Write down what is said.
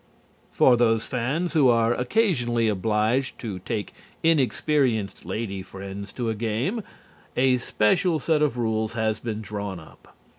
For those fans who are occasionally obliged to take inexperienced lady friends to a game, a special set of rules has been drawn up.